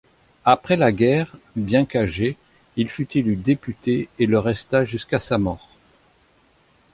Après guerre, bien qu'âgé, il fut élu député et le resta jusqu'à sa mort.